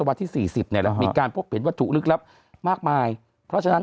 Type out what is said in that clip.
วรรษที่๔๐เนี่ยมีการพบเปลี่ยนวัตถุลึกลับมากมายเพราะฉะนั้น